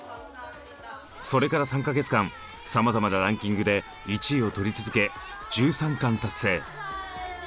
それから３か月間様々なランキングで１位を取り続け１３冠達成。